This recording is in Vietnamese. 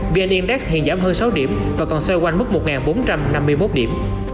vn index hiện giảm hơn sáu điểm và còn xoay quanh mức một bốn trăm năm mươi một điểm